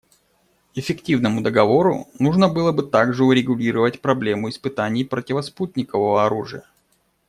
Эффективному договору нужно было бы также урегулировать проблему испытаний противоспутникового оружия.